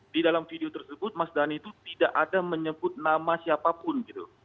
di dalam video tersebut mas dhani itu tidak ada menyebut nama siapapun gitu